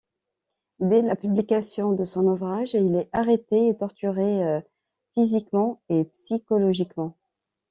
Dès la publication de son ouvrage, il est arrêté et torturé physiquement et psychologiquement.